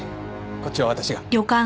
こっちは私が。